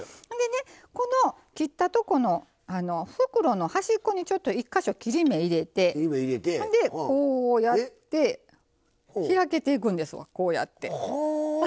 この切ったとこの袋の端っこちょっと１か所、切り目を入れてほんでこうやって開けていくんです。